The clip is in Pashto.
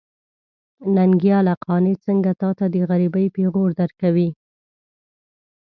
ننګياله! قانع څنګه تاته د غريبۍ پېغور درکوي.